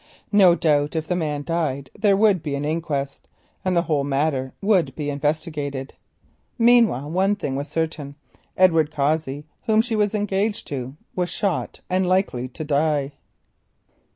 No doubt if the man died there would be an inquest, and the whole matter would be investigated. Meanwhile one thing was certain, Edward Cossey, whom she was engaged to, was shot and likely to die.